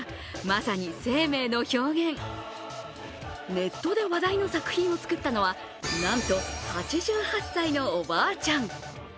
ネットで話題の作品を作ったのはなんと８８歳のおばあちゃん。